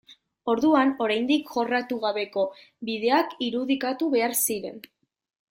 Orduan, oraindik jorratu gabeko bideak irudikatu behar ziren.